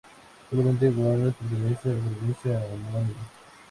Solamente Warnes pertenece a la provincia homónima.